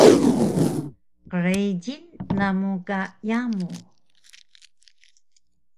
qrijil namu ka yamu